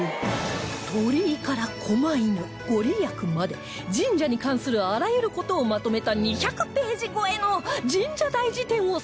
鳥居から狛犬御利益まで神社に関するあらゆる事をまとめた２００ページ超えの神社大辞典を作成